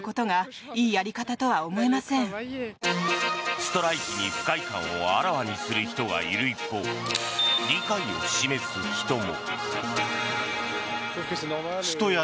ストライキに不快感をあらわにする人がいる一方理解を示す人も。